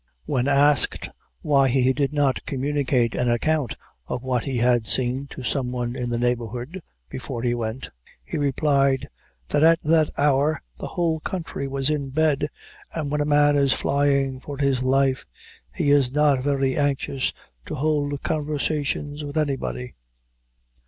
When asked why he did not communicate an account of what he had seen to some one in the neighborhood before he went, he replied, that "at that hour the whole country was in bed, and when a man is flying for his life, he is not very anxious to hould conversations with any body."